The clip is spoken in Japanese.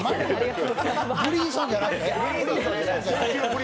ブリンソンじゃなくて？